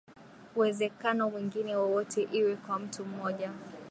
uwezekano mwingine wowote iwe kwa mtu mmoja